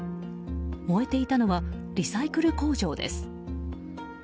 燃えていたのはリサイクル工場です。